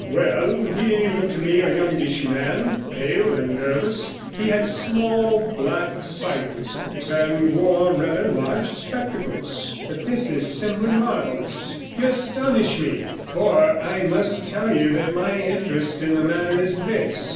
'Well, he looked to me a youngish man, pale and nervous. He had small black side whiskers, and wore rather large spectacles.' 'But this is simply marvellous ! You astonish me. For I must tell you that my interest in the matter is this.